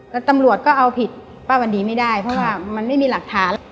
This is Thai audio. แล้วตำรวจก็เอาผิดป้าวันดีไม่ได้เพราะว่ามันไม่มีหลักฐาน